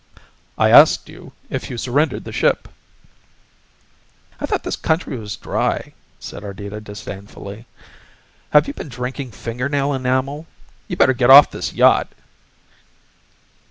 "I asked you if you surrendered the ship." "I thought the country was dry," said Ardita disdainfully. "Have you been drinking finger nail enamel? You better get off this yacht!"